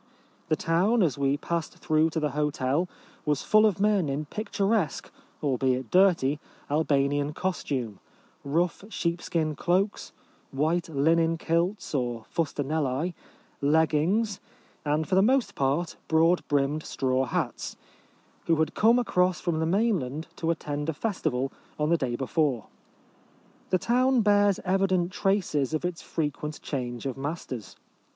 The town, as we passed through to the hotel, was full of men in pic turesque, albeit dirty, Albanian costume — rough sheepskin cloaks, white linen kilts or fmtanellce, leg gings, and for the most part broad brimmed straw hats — who had come across from the mainland to attend a festival on the day before. The town bears evident traces of its frequent change of masters.